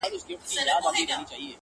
پورته والوتل پوځونه د مرغانو -